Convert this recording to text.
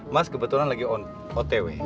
mas kebetulan lagi otw